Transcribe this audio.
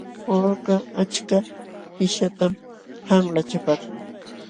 Wawakaq achka qishatam qanlachapaakun.